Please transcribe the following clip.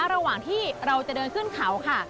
ระหว่างที่เราจะเดินขึ้นเขาค่ะ